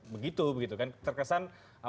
begitu begitu kan terkesan